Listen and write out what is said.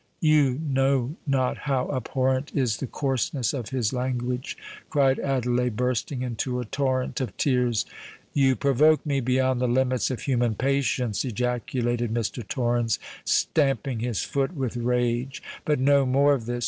you know not how abhorrent is the coarseness of his language!" cried Adelais, bursting into a torrent of tears. "You provoke me beyond the limits of human patience!" ejaculated Mr. Torrens, stamping his foot with rage. "But no more of this.